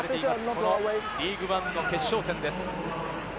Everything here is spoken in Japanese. このリーグワンの決勝戦です。